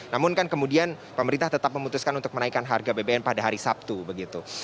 namun kan kemudian pemerintah tetap memutuskan untuk menaikkan harga bbm pada hari sabtu begitu